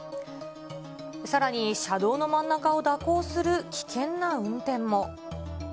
さらに車道の真ん中を蛇行する危険な運転も。